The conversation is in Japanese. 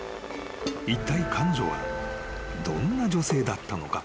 ［いったい彼女はどんな女性だったのか？］